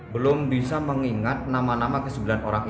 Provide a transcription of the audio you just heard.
belum bisa mengingat nama nama kesebelahan